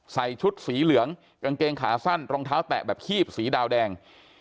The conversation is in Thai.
ใส่ชุดสีเหลืองกางเกงขาสั้นรองเท้าแตะแบบคีบสีดาวแดง